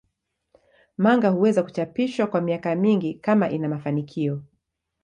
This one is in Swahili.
Manga huweza kuchapishwa kwa miaka mingi kama ina mafanikio.